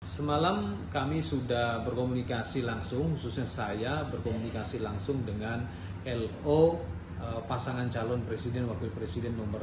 semalam kami sudah berkomunikasi langsung khususnya saya berkomunikasi langsung dengan lo pasangan calon presiden dan wakil presiden nomor dua